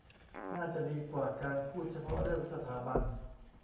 น่าจะดีกว่าการพูดเฉพาะเรื่องสถาบัน